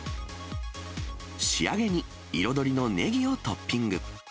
仕上げに、彩りのネギをトッピング。